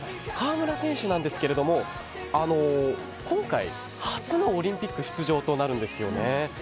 川村選手なんですけど今回、初のオリンピック出場となるんですよね。